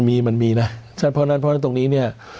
มันมีนะฉันเพราะฉะนั้นตรงนี้เนี่ย